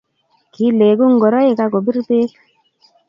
Kiilegu ngoroik ako bir beek